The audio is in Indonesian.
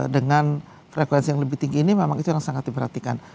dengan frekuensi yang lebih tinggi ini memang itu yang sangat diperhatikan